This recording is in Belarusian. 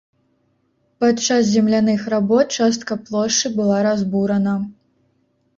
Падчас земляных работ частка плошчы была разбурана.